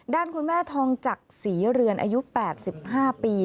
ด้านคุณแม่ทองจักษีเรือนอายุ๘๕ปี